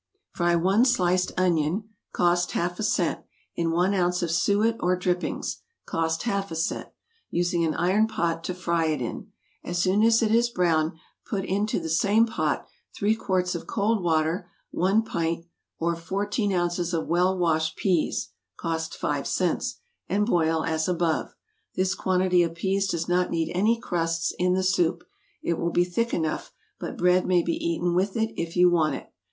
= Fry one sliced onion, (cost half a cent,) in one ounce of suet or drippings, (cost half a cent,) using an iron pot to fry it in; as soon as it is brown, put into the same pot, three quarts of cold water, one pint, or fourteen ounces of well washed peas, (cost five cents,) and boil as above; this quantity of peas does not need any crusts in the soup; it will be thick enough; but bread may be eaten with it, if you want it.